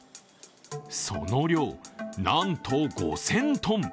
その量、なんと５０００ｔ。